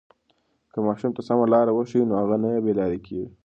که ماشوم ته سمه لاره وښیو نو هغه نه بې لارې کېږي.